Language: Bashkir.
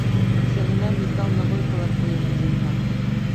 Үксәһенә металл набойкалар ҡуйығыҙ, зинһар